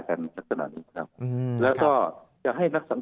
เราจะต้องสามารถที่จะดูแลช่วยเหลือกันอะไรอย่างไรได้บ้าง